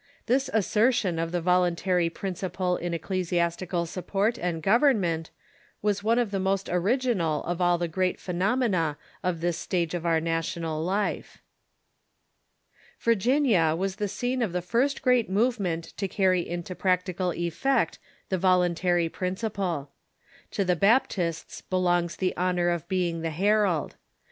This assertion of the voluntary principle in ecclesiastical support and government was one of the most original of all the great phenomena of this stage of our na tional life. Virginia was the scene of the first great movement to carry into practical effect the voluntary principle. To in^virg^nPa^ the Baptists belongs the honor of being the herald.